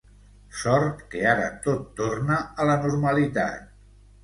Sort que ara tot torna a la normalitat...